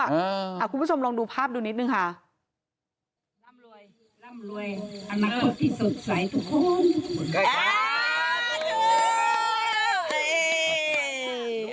อ่าคุณผู้ชมลองดูภาพดูนิดหนึ่งค่ะร่ำรวยร่ำรวยอันดับที่สุดใส่ทุกคน